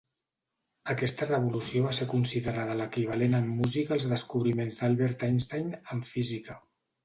Aquesta revolució va ser considerada l'equivalent en música als descobriments d'Albert Einstein en Física.